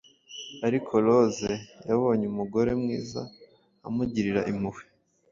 Ariko Lose yabonye Umugore mwiza Amugirira impuhwe